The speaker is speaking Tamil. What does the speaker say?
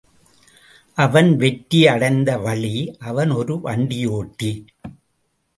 அவன் வெற்றி யடைந்த வழி அவன் ஒரு வண்டியோட்டி.